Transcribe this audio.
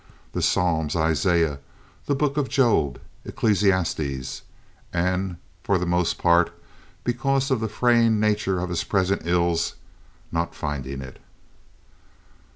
The Psalms, Isaiah, the Book of Job, Ecclesiastes. And for the most part, because of the fraying nature of his present ills, not finding it.